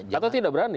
atau tidak berani